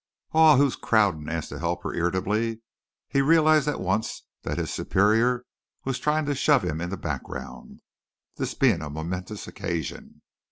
"Aw, whose crowdin'?" asked the helper irritably. He realized at once that his superior was trying to shove him in the background, this being a momentous occasion.